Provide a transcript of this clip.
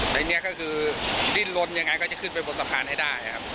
อันนี้ก็คือดิ้นลนยังไงก็จะขึ้นไปบนสะพานให้ได้ครับ